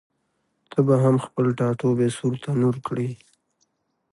ته به هم خپل ټاټوبی سور تنور کړې؟